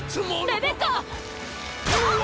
レベッカ！な！